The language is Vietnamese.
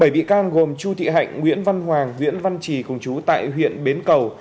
bảy bị can gồm chu thị hạnh nguyễn văn hoàng nguyễn văn trì cùng chú tại huyện bến cầu